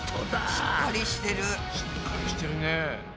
しっかりしてるね。